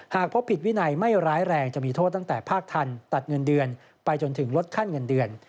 หากพบผิดวินัยไม่ร้ายแรงจะมีโทษตั้งแต่ภาคทันตัดเงินเดือนไปจนถึงลดขั้นเงินเดือน